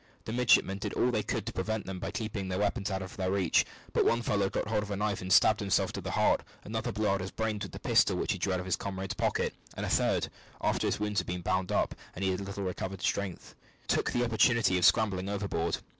The midshipmen did all they could to prevent them by keeping all weapons out of their reach; but one fellow got hold of a knife and stabbed himself to the heart, another blew out his brains with the pistol which he drew out of his comrade's pocket, and a third, after his wounds had been bound up, and he had a little recovered his strength, took the opportunity of scrambling overboard.